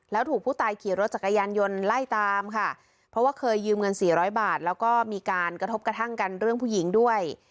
แล้วถูกผู้ตายขี่รถจักรยานยนต์ไล่ตามค่ะเพราะว่าเคยยืมเงินสี่ร้อยบาทแล้วก็มีการกระทบกระทั่งกันเรื่องผู้หญิงด้วย